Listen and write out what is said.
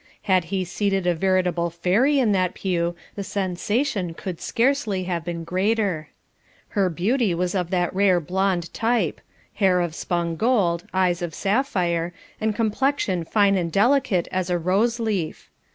Had he seated a veritable fairy in that pew the sensation could scarcely have been greater. Her beauty was of that rare blonde type hair of spun gold, eyes of sapphire, and complexion fine and delicate as a rose leaf.